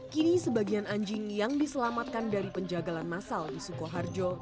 kini sebagian anjing yang diselamatkan dari penjagalan masal di sukoharjo